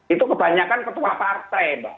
itu kebanyakan ketua partai